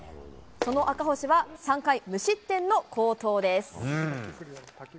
その赤星は３回無失点の好投です。